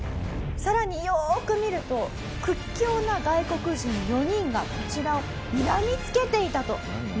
さらによーく見ると屈強な外国人４人がこちらをにらみつけていたという事なんですよね。